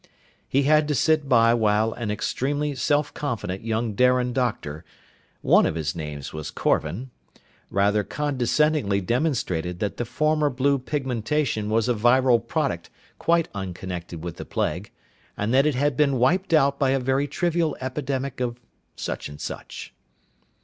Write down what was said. He had to sit by while an extremely self confident young Darian doctor one of his names was Korvan rather condescendingly demonstrated that the former blue pigmentation was a viral product quite unconnected with the plague, and that it had been wiped out by a very trivial epidemic of such and such.